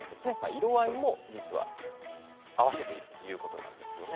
色合いも合わせているということなんです。